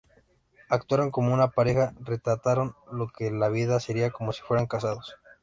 Actuaron como una pareja, retrataron lo que la vida sería como si fueran casados.